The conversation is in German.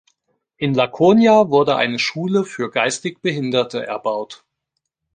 In Laconia wurde eine Schule für geistig Behinderte erbaut.